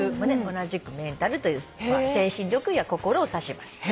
同じく「メンタル」という「精神力」や「心」を指します。